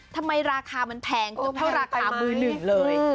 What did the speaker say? ทำไมราคามันแพงเท่าราคามือ๑เลย